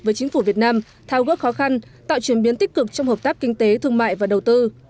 với chính phủ việt nam thao gỡ khó khăn tạo chuyển biến tích cực trong hợp tác kinh tế thương mại và đầu tư